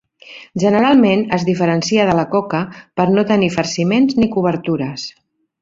Generalment es diferencia de la coca per no tenir farciments ni cobertures.